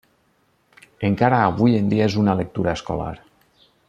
Encara avui en dia és una lectura escolar.